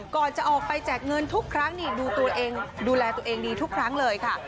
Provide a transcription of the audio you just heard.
ก่อนจะออกไปแจกเงินทุกครั้งนี่ดูตัวเองดูแลตัวเองดีทุกครั้งเลยค่ะ